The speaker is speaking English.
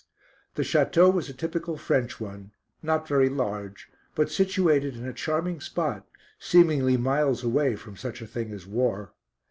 The château was a typical French one, not very large, but situated in a charming spot, seemingly miles away from such a thing as war.